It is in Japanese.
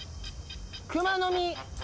クマノミ。